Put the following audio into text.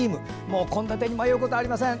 もう献立に迷うことはありません。